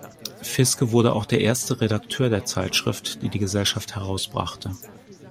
Fiske wurde auch der erste Redakteur der Zeitschrift, die die Gesellschaft herausbrachte.